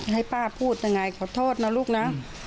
ให้ป้าพูดยังไงขอโทษนะลูกนะ